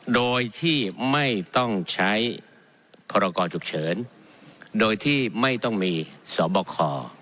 โดยที่ไม่ต้องใช้พรกรฉุกเฉินโดยที่ไม่ต้องมีสบค